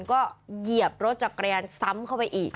ก็เหยียบรถจักรยานซ้ำเข้าไปอีก